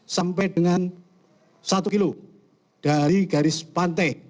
sampai dengan satu kilo dari garis pantai